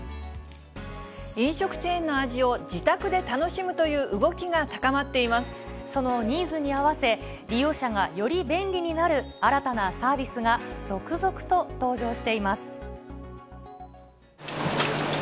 飲食チェーンの味を自宅で楽そのニーズに合わせ、利用者がより便利になる新たなサービスが続々と登場しています。